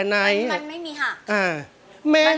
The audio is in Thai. มันไม่มีหาก